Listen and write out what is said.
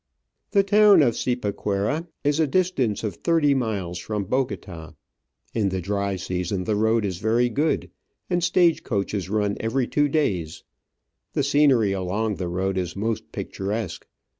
The town of Cipaquira is a distance of thirty miles from Bogota. In the dry season the road is very good, and stage coaches run every two days. The scenery along the road is most picturesque.